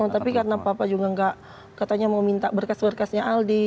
tapi karena papa juga enggak katanya mau minta berkes berkesnya aldi